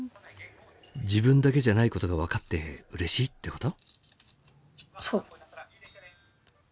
自分だけじゃないことが分かってうれしいってこと？